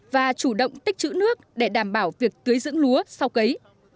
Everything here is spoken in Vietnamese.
và chủ động tích chữ nước để đảm bảo việc tưới dưỡng lúa sau cấy